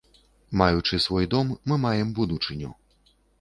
Маючы свой дом, мы маем будучыню.